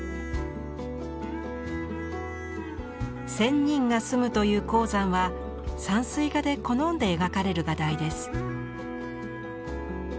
仙人が住むという黄山は山水画で好んで描かれる画題です。